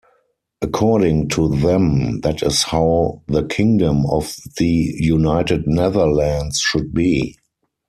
According to them, that is how the Kingdom of the United Netherlands should be.